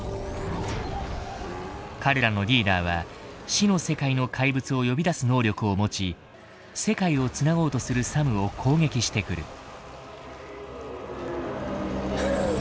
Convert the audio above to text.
彼らのリーダーは死の世界の怪物を呼び出す能力を持ち世界を繋ごうとするサムを攻撃してくる。